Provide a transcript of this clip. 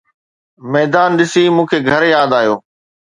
ميدان ڏسي مون کي گهر ياد آيو